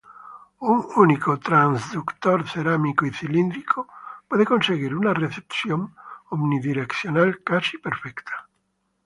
Un único transductor cerámico y cilíndrico puede conseguir una recepción omnidireccional casi perfecta.